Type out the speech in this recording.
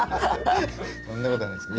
そんなことはないです。